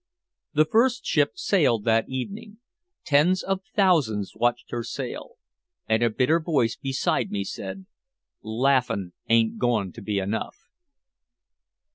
The first ship sailed that evening. Tens of thousands watched her sail. And a bitter voice beside me said, "Laughing ain't going to be enough."